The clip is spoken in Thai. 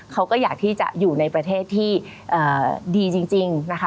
เขาก็อยากที่จะอยู่ในประเทศที่ดีจริงนะคะ